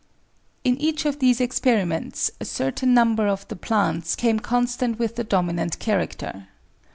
In each of these experiments a certain number of the plants came constant with the dominant character.